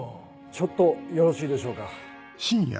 ちょっとよろしいでしょうか。